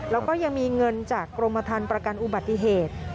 แล้วก็ยังมีเงินจากกรมทันประกันอุบัติเหตุ